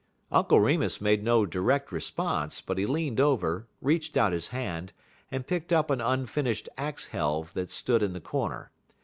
Uncle Remus made no direct response; but he leaned over, reached out his hand, and picked up an unfinished axe helve that stood in the corner.